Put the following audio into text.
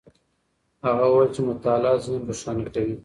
هغه وویل چې مطالعه ذهن روښانه کوي.